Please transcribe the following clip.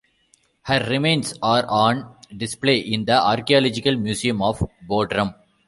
Her remains are on display in the archaeological museum of Bodrum.